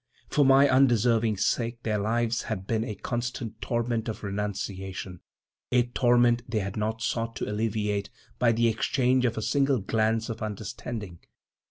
For my undeserving sake their lives had been a constant torment of renunciation—a torment they had not sought to alleviate by the exchange of a single glance of understanding.